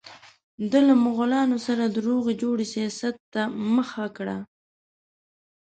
ده له مغولانو سره د روغې جوړې سیاست ته مخه کړه.